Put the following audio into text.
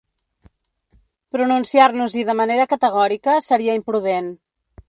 Pronunciar-nos-hi de manera categòrica seria imprudent.